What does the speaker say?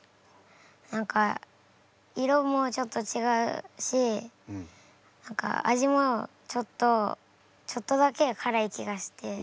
何か色もちょっと違うし何か味もちょっとちょっとだけからい気がして。